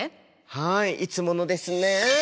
はいいつものですね。